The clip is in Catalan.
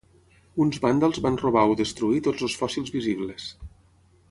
Uns vàndals van robar o destruir tots els fòssils visibles.